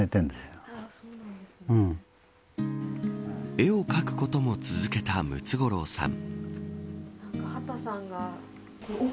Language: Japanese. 絵を描くことも続けたムツゴロウさん。